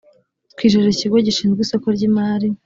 twijeje ikigo gishinzwe isoko ry imari